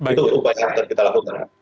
itu upaya yang terus kita lakukan